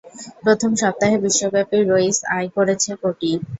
প্রথম সপ্তাহে বিশ্বব্যাপী "রইস" আয় করেছে কোটি।